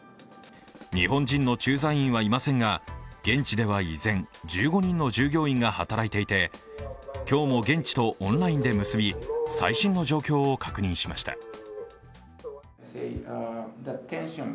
日本人の駐在員はいませんが、現地では依然、１５人の従業員が働いていて今日も現地とオンラインで結び最新の状況を確認しました。